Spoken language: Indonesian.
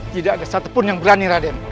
tidak ada satupun yang berani raden